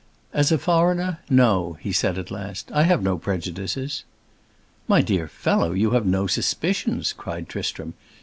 "As a foreigner, no," he said at last; "I have no prejudices." "My dear fellow, you have no suspicions!" cried Tristram.